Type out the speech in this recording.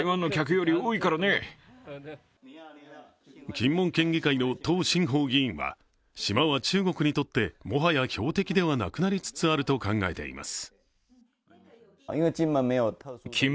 金門県議会の董森堡議員は、島は中国にとって、もはや標的ではなくなりつつあると考えています。